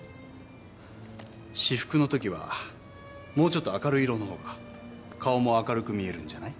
私服のときはもうちょっと明るい色のほうが顔も明るく見えるんじゃない？